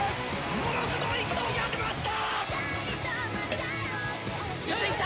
ものすごいことをやってのけました！